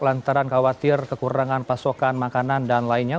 lantaran khawatir kekurangan pasokan makanan dan lainnya